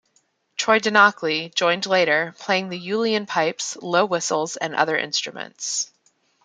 Troy Donockley joined later, playing the uilleann pipes, low whistles, and other instruments.